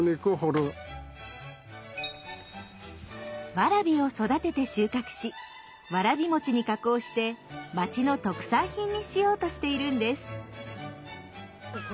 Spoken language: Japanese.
ワラビを育てて収穫しわらびに加工して町の特産品にしようとしているんです。